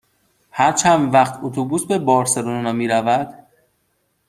هر چند وقت اتوبوس به بارسلونا می رود؟